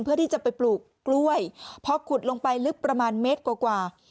เพื่อที่จะไปปลูกกล้วยพอขุดลงไปลึกประมาณเมตรกว่า